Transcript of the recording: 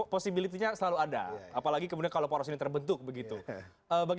posibility nya selalu ada